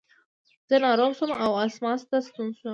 زه ناروغ شوم او اسماس ته ستون شوم.